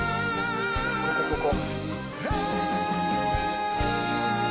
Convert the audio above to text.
ここここ。